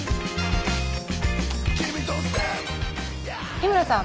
日村さん